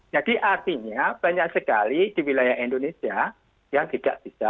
jadi artinya banyak sekali di wilayah indonesia yang tidak bisa